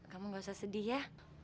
kamu gak usah sedih ya